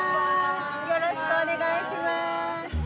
よろしくお願いします。